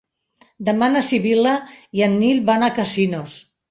Demà na Sibil·la i en Nil van a Casinos.